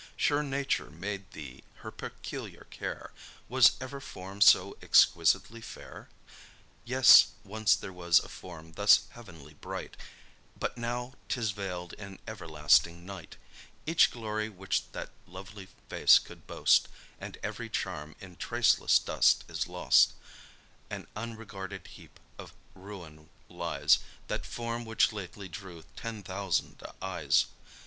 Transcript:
Sure nature made thee her peculiar care: Was ever form so exquisitely fair? Yes, once there was a form thus heavenly bright, But now 'tis veil'd in everlasting night; Each glory which that lovely face could boast, And every charm, in traceless dust is lost; An unregarded heap of ruin lies That form which lately drew ten thousand eyes.